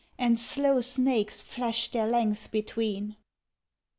And slow snakes flashed their length between.